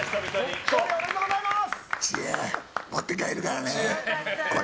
おめでとうございます！